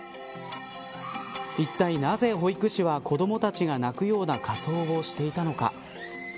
いったいなぜ保育士は子どもたちが泣くような仮装をしていたのか。